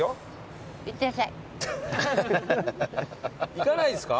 行かないですか？